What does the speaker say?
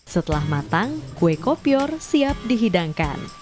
setelah matang kue kopior siap dihidangkan